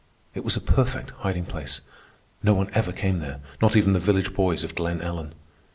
It was a perfect hiding place. No one ever came there, not even the village boys of Glen Ellen.